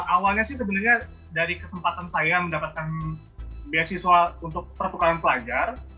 awalnya sih sebenarnya dari kesempatan saya mendapatkan beasiswa untuk pertukaran pelajar